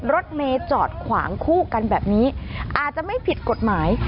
รถเมย์จอดขวางคู่กันแบบนี้อาจจะไม่ผิดกฎหมาย